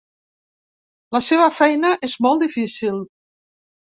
La seva feina és molt difícil.